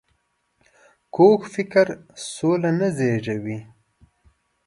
کوږ فکر سوله نه زېږوي